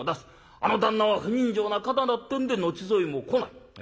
あの旦那は不人情な方だってんで後添いも来ない。